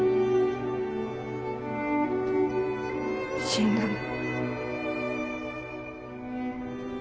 死んだの。